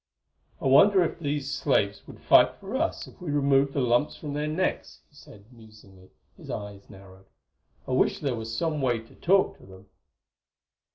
"I wonder if these slaves would fight for us if we removed the lumps from their necks," he said musingly, his eyes narrow. "I wish there were some way to talk to them...."